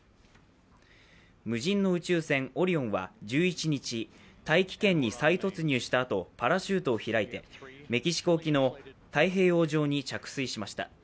無人の宇宙船「オリオン」は１１日、大気圏に再突入したあとパラシュートを開いてメキシコ沖の太平洋上に着水しました。